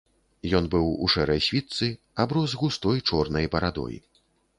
Ён быў у шэрай світцы, аброс густой чорнай барадой.